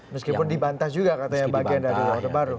meskipun dibantas juga katanya bagian dari bung rey